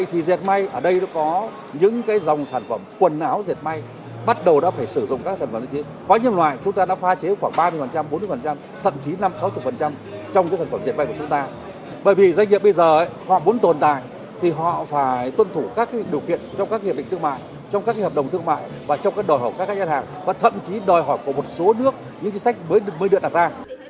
họ phải tuân thủ các điều kiện trong các hiệp định thương mại trong các hợp đồng thương mại và trong các đòi hỏi của các gian hàng và thậm chí đòi hỏi của một số nước những chính sách mới được đặt ra